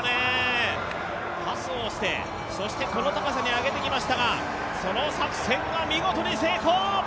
パスをしてそしてこの高さに上げてきましたがその作戦は見事に成功！